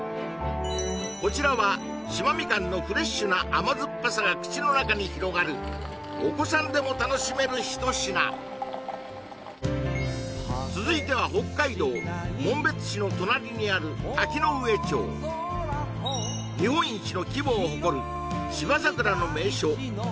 こちらは島みかんのフレッシュな甘酸っぱさが口の中に広がるお子さんでも楽しめる一品続いては北海道紋別市の隣にある滝上町が有名人口